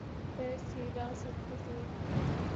فیضؔ تھی راہ سر بسر منزل